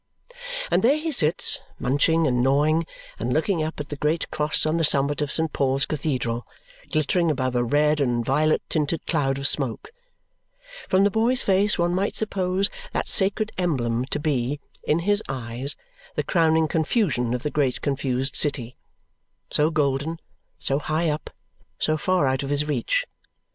And there he sits, munching and gnawing, and looking up at the great cross on the summit of St. Paul's Cathedral, glittering above a red and violet tinted cloud of smoke. From the boy's face one might suppose that sacred emblem to be, in his eyes, the crowning confusion of the great, confused city so golden, so high up, so far out of his reach.